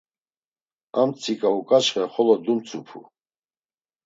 Amtsika uǩaçxe xolo dumtzupu.